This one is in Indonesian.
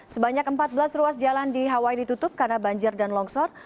sebanyak empat belas ruas jalan di hawaii ditutup karena banjir dan longsor